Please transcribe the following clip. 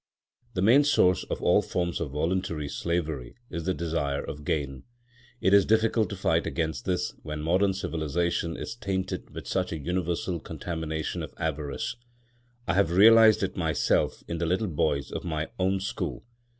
The main source of all forms of voluntary slavery is the desire of gain. It is difficult to fight against this when modern civilisation is tainted with such a universal contamination of avarice. I have realised it myself in the little boys of my own school.